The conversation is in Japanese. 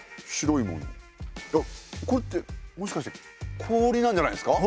これってもしかして氷なんじゃないですか？